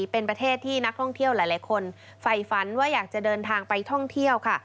เป็นประเทศที่นักท่องเที่ยวหลายคนฝ่ายฝันว่าอยากจะเดินทางไปท่องเที่ยวค่ะ